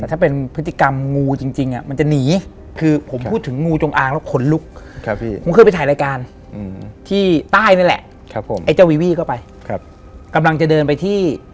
ไอ้เจ้าวีวีเข้าไปกำลังจะเดินไปที่